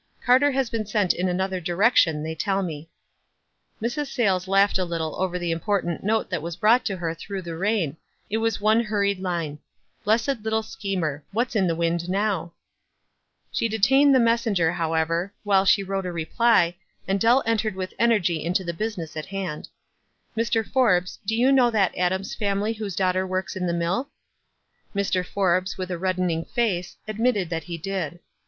Carter has been sent in another direc tion, they tell me." Mrs. Sayles laughed a little over the impor 90 WISE AND OTHERWISE. tant note that was brought her through, the rain. It was one hurried line : M Blessed little schem er ! What's in the wind now?" She detained the messenger, however, while she wrote a reply, and Deli entered with energy into the business at hand. tr Mr. Forbes, do you know that Adams family whose daughter works in the mill?" Mr. Forbes, with a reddening face, admitted that he did.